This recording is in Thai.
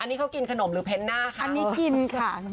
อันนี้เขากินขนมหรือเพ้นหน้าค่ะอันนี้กินค่ะ